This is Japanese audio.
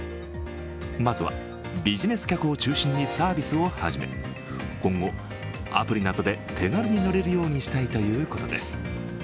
まずはビジネス客を中心にサービスを始め、今後、アプリなどで手軽に乗れるようにしたいということです。